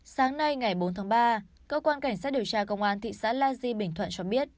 sáng nay ngày bốn tháng ba cơ quan cảnh sát điều tra công an thị xã la di bình thuận cho biết